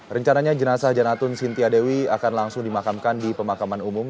rencananya jenazah janatun sintia dewi akan langsung dimakamkan di pemakaman umum